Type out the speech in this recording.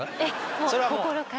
もう心から。